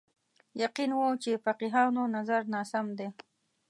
یقین و چې فقیهانو نظر ناسم دی